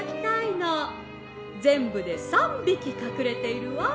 ぜんぶで３びきかくれているわ。